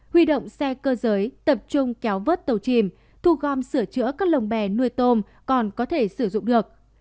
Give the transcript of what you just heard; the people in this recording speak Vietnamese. huy động xe cơ giới tập trung kéo vớt tàu chìm thu gom sửa chữa các lồng bè nuôi tôm còn có thể sử dụng được